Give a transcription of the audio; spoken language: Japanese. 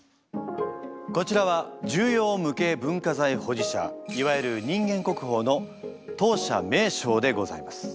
こちらは重要無形文化財保持者いわゆる人間国宝の藤舎名生でございます。